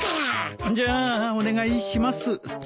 じゃあお願いします。